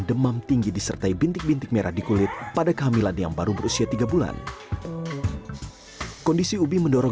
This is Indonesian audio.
demam tinggi disertai bintik bintik merah di kulit pada kehamilan yang baru berusia tiga bulan kondisi ubi mendorong